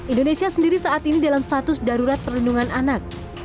indonesia sendiri saat ini dalam status darurat perlindungan anak